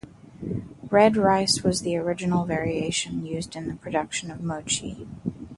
Red rice was the original variation used in the production of mochi.